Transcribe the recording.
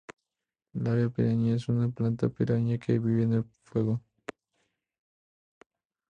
Lava Piraña: Es una Planta Piraña que vive en el fuego.